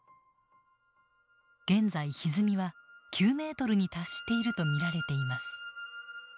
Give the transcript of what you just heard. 現在ひずみは９メートルに達していると見られています。